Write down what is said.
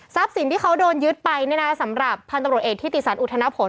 สินที่เขาโดนยึดไปเนี่ยนะสำหรับพันธบรวจเอกทิติสันอุทธนผล